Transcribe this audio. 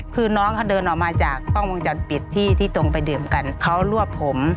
คือน้องเขาเดินออกมาจากกล้องวงจรปิดที่ที่ตรงไปดื่มกันเขารวบผม